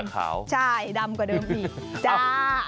กลับอินใช่ดำกว่าเดิมอีกจ้าแทนที่จะขาว